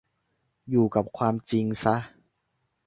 อยู่กับความจริงซะ